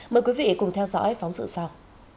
mời quý vị cùng theo dõi phóng sự sau